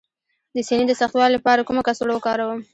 د سینې د سختوالي لپاره کومه کڅوړه وکاروم؟